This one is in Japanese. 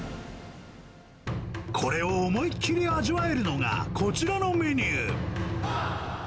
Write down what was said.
これを思い切り味わえるのが、こちらのメニュー。